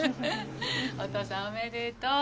お父さんおめでとう！